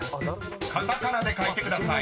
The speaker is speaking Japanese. ［カタカナで書いてください］